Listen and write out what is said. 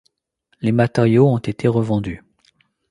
Les matériaux ont été revendus.